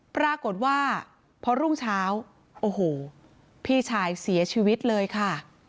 ปรากฏว่าพอรุ่งเช้าโอ้โหพี่ชายเสียชีวิตเลยค่ะ